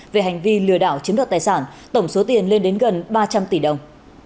về hành vi lừa đảo chiếm đoạt tài sản tổng số tiền lên đến gần ba trăm linh tỷ đồng